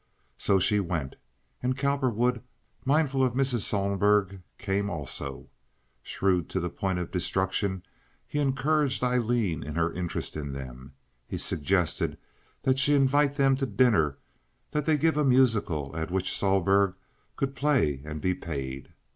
So she went, and Cowperwood, mindful of Mrs. Sohlberg, came also. Shrewd to the point of destruction, he encouraged Aileen in her interest in them. He suggested that she invite them to dinner, that they give a musical at which Sohlberg could play and be paid.